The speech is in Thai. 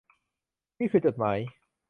นี่คือจดหมาย